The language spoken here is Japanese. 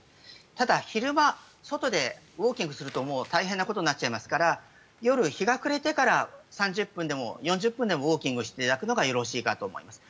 ただ、昼間外でウォーキングすると大変なことになっちゃいますから夜、日が暮れてから３０分でも４０分でもウォーキングをしていただくのがよろしいかと思います。